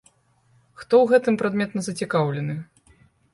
Хто ў гэтым прадметна зацікаўлены?